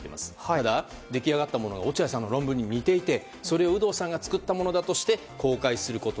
ただ、出来上がったものが落合さんの論文に似ていてそれを有働さんが作ったものだとして公開すること。